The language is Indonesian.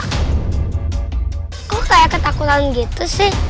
aku kayak ketakutan gitu sih